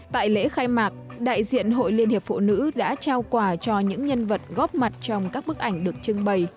tại lễ khai mạc đại diện hội liên hiệp phụ nữ đã trao quà cho những nhân vật góp mặt trong các bức ảnh được trưng bày